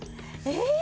えっ⁉